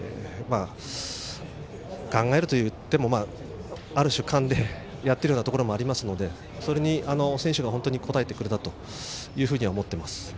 考えるといっても、ある種、勘でやっているようなところもありますのでそれに選手が応えてくれたと思っています。